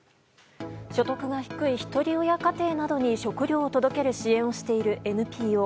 所得が低い１人親家庭などに食料を届ける支援をしているＮＰＯ。